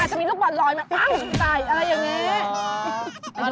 เตรียมให้หนึ่ง